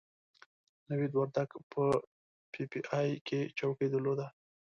نوید وردګ په پي ای اې کې چوکۍ درلوده.